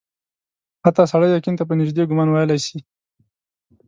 حتی سړی یقین ته په نیژدې ګومان ویلای سي.